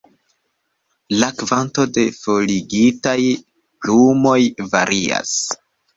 La kvanto de forigitaj plumoj varias.